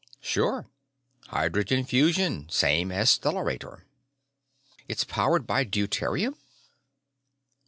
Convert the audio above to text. "Sure. Hydrogen fusion, same as the stellarator." "It's powered by deuterium?"